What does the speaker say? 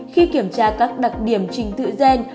khi kiểm tra các đặc điểm trình thự gen